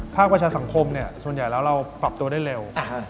ประชาสังคมส่วนใหญ่แล้วเราปรับตัวได้เร็ว